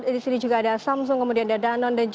di sini juga ada samsung kemudian ada danon